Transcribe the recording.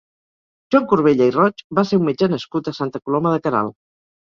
Joan Corbella i Roig va ser un metge nascut a Santa Coloma de Queralt.